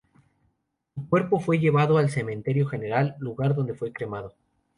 Su cuerpo fue llevado al Cementerio General, lugar donde fue cremado.